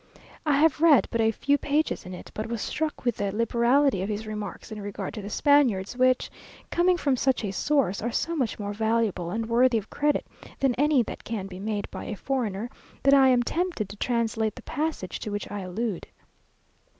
I have read but a few pages of it, but was struck with the liberality of his remarks in regard to the Spaniards, which, coming from such a source, are so much more valuable and worthy of credit than any that can be made by a foreigner, that I am tempted to translate the passage to which I allude.